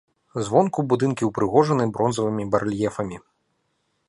Звонку будынкі ўпрыгожаны бронзавымі барэльефамі.